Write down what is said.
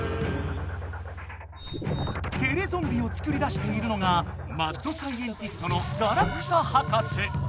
テレゾンビをつくり出しているのがマッドサイエンティストのガラクタ博士。